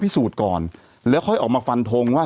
แต่หนูจะเอากับน้องเขามาแต่ว่า